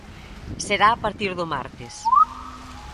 Será a partir do martes.